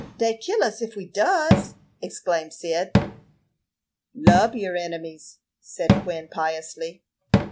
Dey kill us ef we does," exclaimed Cyd. "'Lub your enemies,'" said Quin, piously.